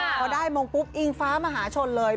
พอได้มงปุ๊บอิงฟ้ามหาชนเลย